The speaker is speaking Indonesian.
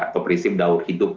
atau prinsip daur hidup